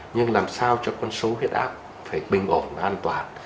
nhưng làm sao cho con số huyết áp phải bình ổn và an toàn